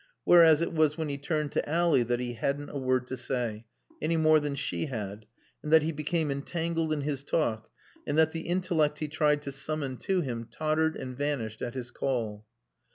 Whereas, it was when he turned to Ally that he hadn't a word to say, any more than she had, and that he became entangled in his talk, and that the intellect he tried to summon to him tottered and vanished at his call.